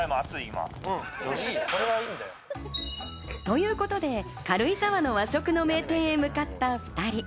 ということで軽井沢の和食の名店へ向かった２人。